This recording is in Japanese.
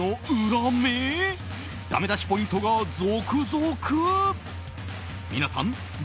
だめ出しポイントが続々！